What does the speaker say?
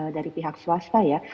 dari pihak swasta ya